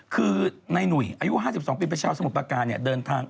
คือในหนุ่ยอายุ๕๒ปีเป็นชาวสมุทรประการเดินทาง